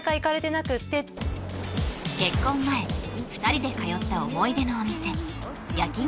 結婚前２人で通った思い出のお店焼肉